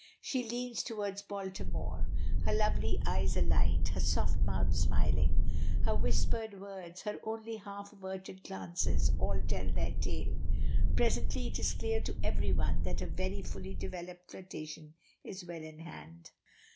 She leans towards Baltimore, her lovely eyes alight, her soft mouth smiling. Her whispered words, her only half averted glances, all tell their tale. Presently it is clear to everyone that a very fully developed flirtation is well in hand.